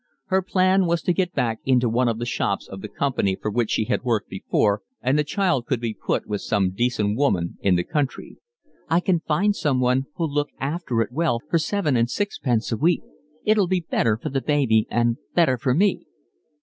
Her plan was to get back into one of the shops of the company for which she had worked before, and the child could be put with some decent woman in the country. "I can find someone who'll look after it well for seven and sixpence a week. It'll be better for the baby and better for me."